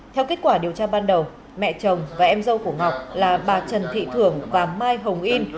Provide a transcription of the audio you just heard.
theo kết quả điều tra ban đầu mẹ chồng và em dâu của ngọc là bà trần thị thưởng và mai hồng yên